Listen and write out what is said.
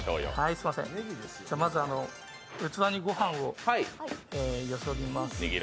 まず器にご飯をよそいます。